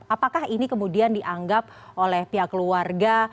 apakah ini kemudian dianggap oleh pihak keluarga